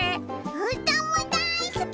うーたんもだいすき！